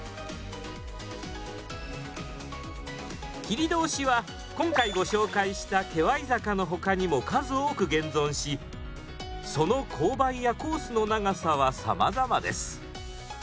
切通しは今回ご紹介した化粧坂のほかにも数多く現存しその勾配やコースの長さはさまざまです。